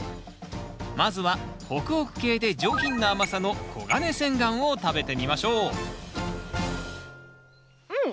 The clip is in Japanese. まずはホクホク系で上品な甘さのコガネセンガンを食べてみましょううん！